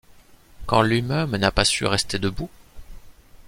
quand lui-même n’a pas su rester debout?